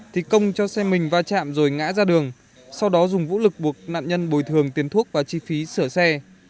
thì công cho xe mình va chạm rồi ngã ra đường sau đó dùng vũ lực buộc nạn nhân bồi thường tiền thuốc và chi phí sửa xe